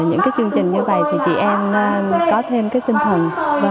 những cái chương trình như vậy thì chị em có thêm cái tinh thần